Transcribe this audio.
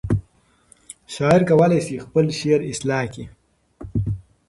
شاعر کولی شي خپل شعر اصلاح کړي.